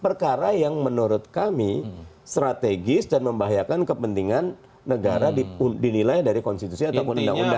perkara yang menurut kami strategis dan membahayakan kepentingan negara dinilai dari konstitusi ataupun undang undang